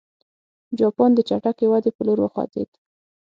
جاپان د چټکې ودې په لور وخوځېد.